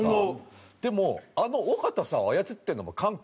でもあの尾形さんを操ってるのも菅君なんですよ。